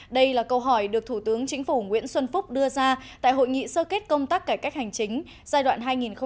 đây là câu hỏi được thủ tướng chính phủ nguyễn xuân phúc đưa ra tại hội nghị sơ kết công tác cải cách hành chính giai đoạn hai nghìn một mươi sáu hai nghìn hai mươi